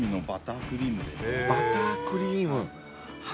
バタークリームはぁ。